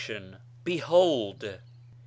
behold !